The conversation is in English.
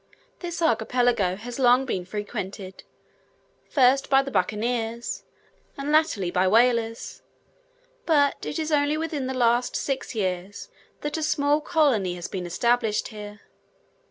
This archipelago has long been frequented, first by the bucaniers, and latterly by whalers, but it is only within the last six years, that a small colony has been established here.